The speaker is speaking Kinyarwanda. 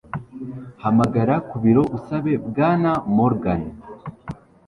Hamagara ku biro usabe Bwana Morgan